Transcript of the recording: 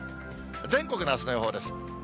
全国のあすの予報です。